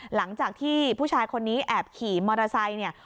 หลังจากที่ผู้ชายคนนี้แอบขี่มอเตอร์ไซค์เนี่ย